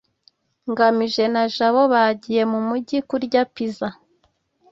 ngamije na jabo bagiye mumujyi kurya pizza